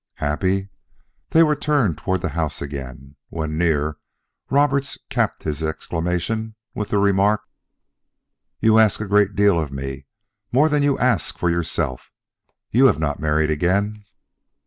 "Happy!" They were turned toward the house again. When near, Roberts capped his exclamation with the remark: "You ask a great deal for me, more than you ask for yourself. You have not married again."